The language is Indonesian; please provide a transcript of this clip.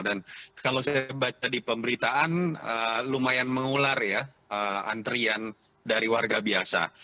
dan kalau saya baca di pemberitaan lumayan mengular ya antrian dari warga biasa